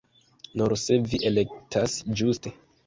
Nur se vi elektas ĝuste.